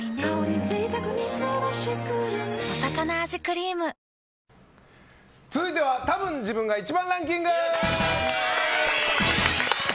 オールインワン続いてはたぶん自分が１番ランキング！